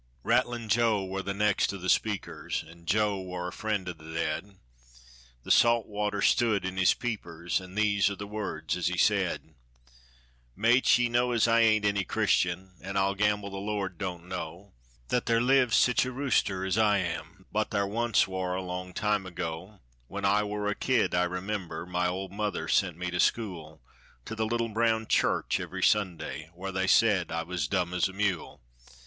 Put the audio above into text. Rattlin' Joe war the next o' the speakers, An' Joe war a friend o' the dead; The salt water stood in his peepers, An' these are the words as he said, "Mates, ye know as I ain't any Christian, An' I'll gamble the Lord don't know That thar lives sich a rooster as I am; But thar once war a time long ago When I war a kid; I remember, My old mother sent me to school, To the little brown church every Sunday, Whar they said I was dumb as a mule.